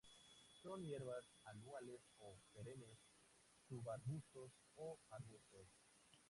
Son hierbas anuales o perennes, subarbustos o arbustos.